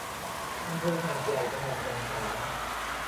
อำเภอหาดใหญ่ จังหวัดสงขลา